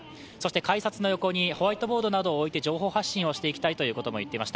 改札の横にホワイトボードなどを置いて情報発信をしていきたいとも言っていました。